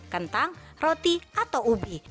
kentang roti atau ubi